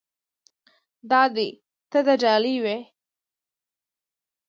دا دې تا ته ډالۍ وي.